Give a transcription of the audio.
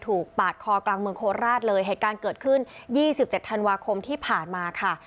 ถูกปาดคอกลางเมืองโคตรราชเลยเหตุการณ์เกิดขึ้นยี่สิบเจ็ดธันวาคมที่ผ่านมาค่ะ